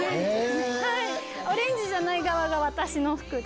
オレンジじゃない側が私の服で。